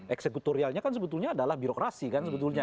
eksekutorialnya kan sebetulnya adalah birokrasi kan sebetulnya